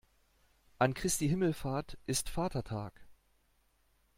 An Christi Himmelfahrt ist Vatertag.